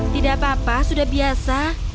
tidak apa apa sudah biasa